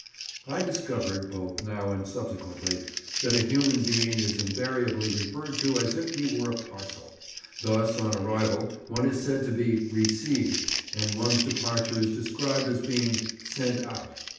I discovered, both now and subsequently, that a human being is invariably referred to as if he were a parcel. Thus, on arrival, one is said to be "received," and one's departure is described as being "sent out."